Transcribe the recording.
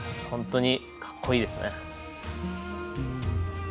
本当に格好いいですね。